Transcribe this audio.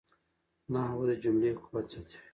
نحوه د جملې قوت زیاتوي.